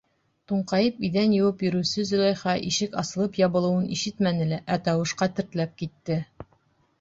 Туңҡайып иҙән йыуып йөрөүсе Зөләйха ишек асылып-ябылыуын ишетмәне лә, ә тауышҡа тертләп китте.